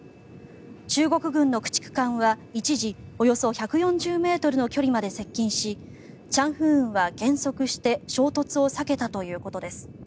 中国軍の駆逐艦は一時、およそ１４０ｍの距離まで接近し「チャンフーン」は減速して衝突を避けたということです。